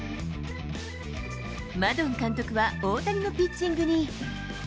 マドン監督は、大谷のピッチングに。